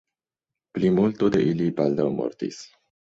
Plimulto de ili baldaŭ mortis.